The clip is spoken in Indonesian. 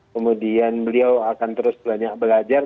kemudian beliau akan terus banyak belajar